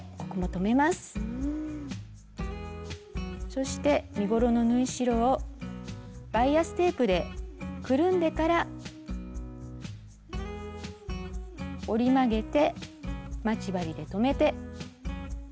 そして身ごろの縫い代をバイアステープでくるんでから折り曲げて待ち針で留めて。